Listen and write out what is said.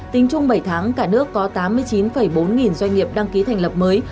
tính chung bảy tháng cả nước có tám mươi chín bốn nghìn doanh nghiệp đăng ký thành lập mới